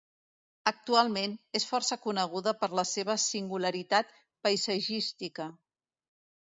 Actualment, és força coneguda per la seva singularitat paisatgística.